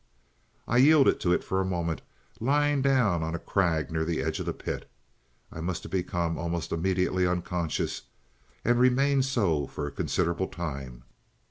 I yielded to it for a moment, lying down on a crag near the edge of the pit. I must have become almost immediately unconscious, and remained so for a considerable time.